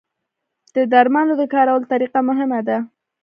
د درملو د کارولو طریقه مهمه ده.